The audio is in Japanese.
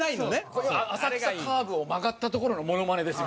これ浅草カーブを曲がったところのモノマネです。